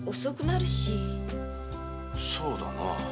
そうだな。